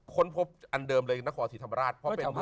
ค้นพบอันเดิมนะครัวสิทธิ์ธรรมราช